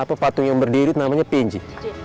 apa patung yang berdiri namanya pinji